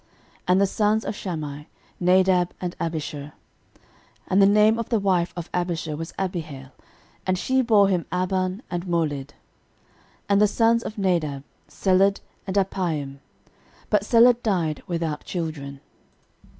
And the sons of Shammai; Nadab and Abishur. 13:002:029 And the name of the wife of Abishur was Abihail, and she bare him Ahban, and Molid. 13:002:030 And the sons of Nadab; Seled, and Appaim: but Seled died without children.